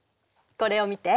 これを見て。